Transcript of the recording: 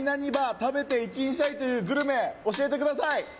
「食べていきんしゃい！」というグルメ教えてください